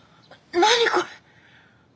何これ！？